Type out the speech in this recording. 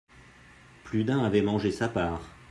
Plus d'un avait mangé sa part.